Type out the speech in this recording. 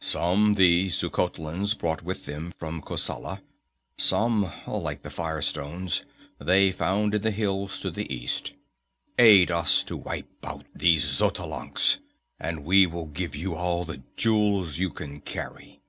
Some the Xuchotlans brought with them from Kosala. Some, like the fire stones, they found in the hills to the east. Aid us to wipe out the Xotalancas, and we will give you all the jewels you can carry."